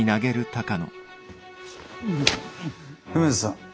梅津さん